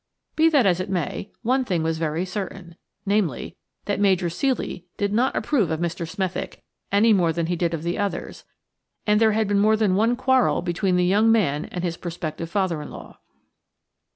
Be that as it may, one thing was very certain–namely, that Major Ceely did not approve of Mr. Smethick any more than he did of the others, and there had been more than one quarrel between the young man and his prospective father in law.